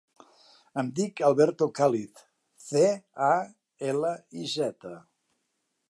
Em dic Alberto Caliz: ce, a, ela, i, zeta.